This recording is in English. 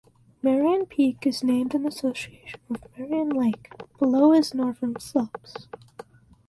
Marion Peak is named in association with Marion Lake below is northern slopes.